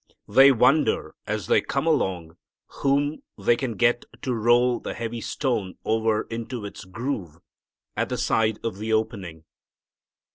They wonder as they come along whom they can get to roll the heavy stone over into its groove at the side of the opening.